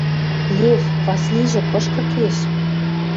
— Лев? Васлижӹ кышкы кеш?..